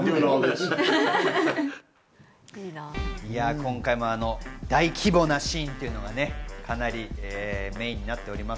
今回も大規模なシーンっていうのがね、かなりメインになっています。